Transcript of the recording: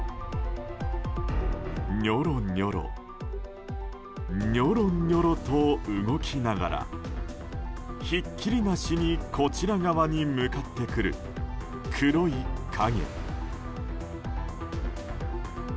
ニョロニョロ、ニョロニョロと動きながらひっきりなしにこちら側に向かってくる黒い影。